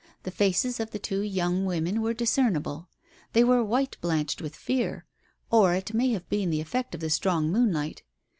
The faces of the two young women were discernible. They were white — blanched with fear, or it may have been the effect of the strong moonlight.